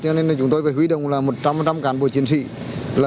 cho nên chúng tôi phải hủy động lũ trồng lũ giảm bớt khó khăn